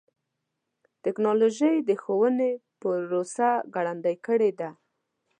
ټکنالوجي د ښوونې پروسه ګړندۍ کړې ده.